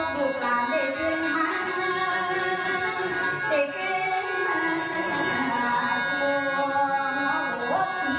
บุคไห้ห้าเหลี่ยงห้าเท่าเดียวลดมากันโดยห่าหาซอย